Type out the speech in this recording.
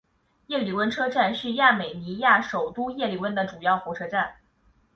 叶里温车站是亚美尼亚首都叶里温的主要火车站。